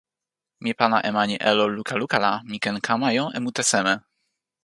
mi pana e mani Elo luka luka la mi ken kama jo e mute seme?